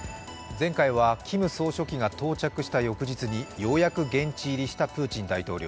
前回はキム総書記が到着した翌日にようやく現地入りしたプーチン大統領。